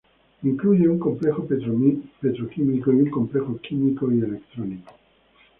Incluye un complejo Petroquímico y un complejo químico y electrónico.